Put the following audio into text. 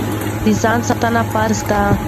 د ځان ساتنه فرض ده.